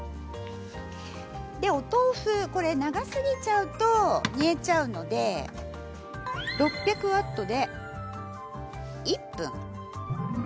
でお豆腐これ長すぎちゃうと煮えちゃうので６００Ｗで１分。